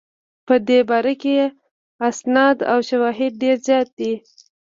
په دې باره کې اسناد او شواهد ډېر زیات دي.